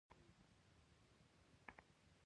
په لوی ننګرهار کې اوسنی ننګرهار شامل و.